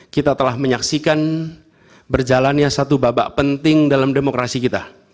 kita telah menyaksikan berjalannya satu babak penting dalam demokrasi kita